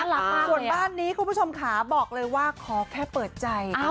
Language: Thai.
ส่วนนี่บานนี้ของทุกผู้ชมครับบอกเลยว่าขอแค่เปิดใจ